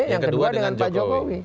yang kedua dengan pak jokowi